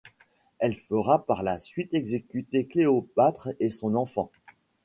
Elle fera par la suite exécuter Cléopâtre et son enfant.